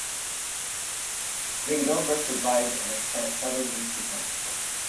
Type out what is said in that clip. Ben Gimbert survived and spent seven weeks in hospital.